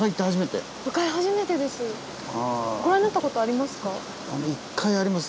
ご覧になった事ありますか？